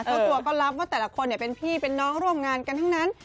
เจ้าตัวก็รับว่าแต่ละคนเป็นพี่เป็นน้องร่วมงานกันทั้งนั้น